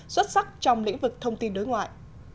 xuất sắc trong lĩnh vực thông tin đối ngoại